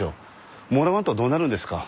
もらわんとどうなるんですか？